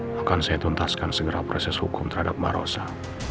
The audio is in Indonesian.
makan saya tuntaskan segera proses hukum terhadap mbak rosa